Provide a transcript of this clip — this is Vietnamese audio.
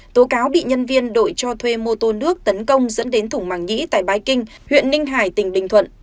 tố cáo bị nhân viên đội cho thuê mô tồn nước tấn công dẫn đến thủng mạng nhĩ tại bái kinh huyện ninh hải tỉnh ninh thuận